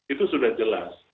itu sudah jelas